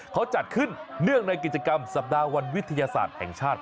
เขาจัดขึ้นเนื่องในกิจกรรมสัปดาห์วันวิทยาศาสตร์แห่งชาติ